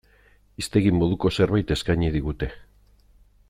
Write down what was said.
Hiztegi moduko zerbait eskaini digute.